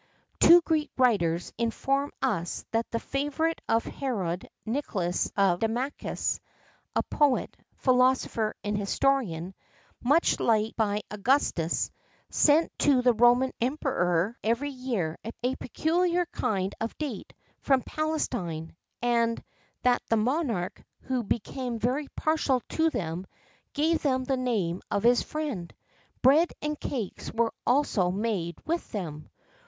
[XII 51] Two Greek writers[XII 52] inform us that the favourite of Herod, Nicolas of Damascus, a poet, philosopher, and historian, much liked by Augustus, sent to the Roman Emperor every year a peculiar kind of date from Palestine; and that the monarch, who became very partial to them, gave them the name of his friend. Bread and cakes were also made with them.